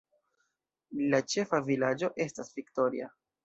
La ĉefa vilaĝo estas Victoria.